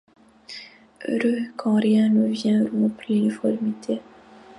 Heureux quand rien ne vient rompre l’uniformité…